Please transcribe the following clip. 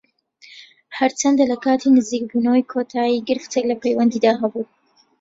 هەرچەندە لە کاتی نزیکبوونەوەی کۆتایی گرفتێک لە پەیوەندیدا هەبوو